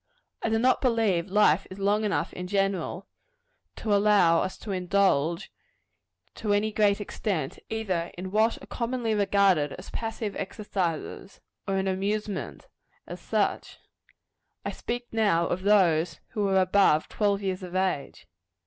I do not believe life is long enough, in general, to allow us to indulge, to any great extent, either in what are commonly regarded as passive exercises, or in amusements, as such: I speak now of those who are above twelve years of age.